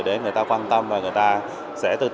để người ta quan tâm và người ta sẽ tự nhiên